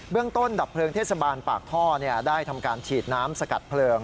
เรื่องต้นดับเพลิงเทศบาลปากท่อได้ทำการฉีดน้ำสกัดเพลิง